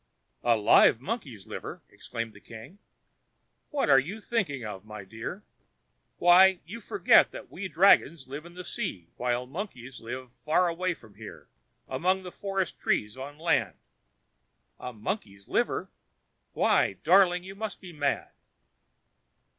"A live monkey's liver!" exclaimed the king. "What are you thinking of, my dear? Why! you forget that we dragons live in the sea, while monkeys live far away from here, among the forest trees on land. A monkey's liver! Why! darling, you must be mad."